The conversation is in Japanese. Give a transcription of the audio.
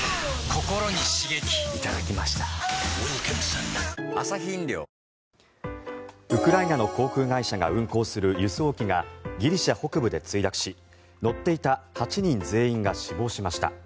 ２０歳になる前にウクライナの航空会社が運航する輸送機がギリシャ北部で墜落し乗っていた８人全員が死亡しました。